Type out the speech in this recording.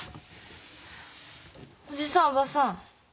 おじさんおばさん。